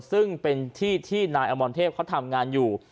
ซึ่งเป็นที่ที่นายอมรเทพเขาทำงานอยู่